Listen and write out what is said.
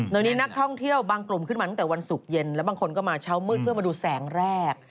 โดยนี้นักท่องเที่ยวบางกลุ่มขึ้นมาตั้งแต่วันศุกร์เย็นแล้วบางคนก็มาเช้ามืดเพื่อมาดูแสงแรก